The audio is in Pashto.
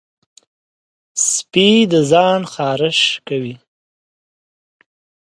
سپي د ځان خارش کوي.